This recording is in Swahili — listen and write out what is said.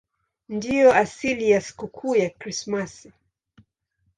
Ndiyo asili ya sikukuu ya Krismasi.